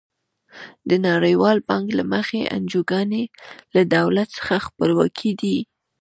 د نړیوال بانک له مخې انجوګانې له دولت څخه خپلواکې دي.